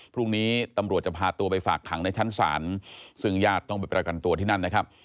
พรุ่งนี้ตำรวจจะพาตัวไปฝากขังในชั้นศาลซึ่งญาติต้องไปประกันตัวที่นั่นนะครับ